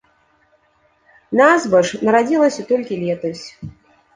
Назва ж нарадзілася толькі летась.